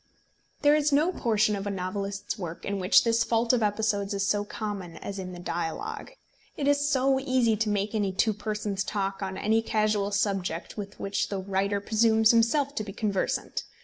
There is no portion of a novelist's work in which this fault of episodes is so common as in the dialogue. It is so easy to make any two persons talk on any casual subject with which the writer presumes himself to be conversant!